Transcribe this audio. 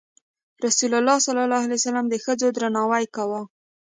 رسول الله د ښځو درناوی کاوه.